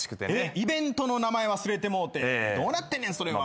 イベントの名前忘れてもうてどうなってんねんそれは。